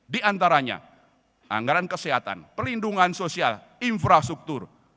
diantaranya anggaran kesehatan pelindungan sosial infrastruktur